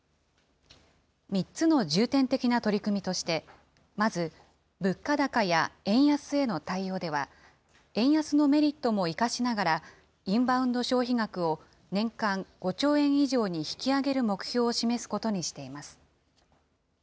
３つの重点的な取り組みとして、まず物価高や円安への対応では、円安のメリットも生かしながら、インバウンド消費額を年間５兆円以上に引き上げる目標を示すことにしています。